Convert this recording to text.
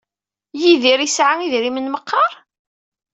Yidir yesɛa idrimen meqqar?